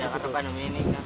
karena pandemi ini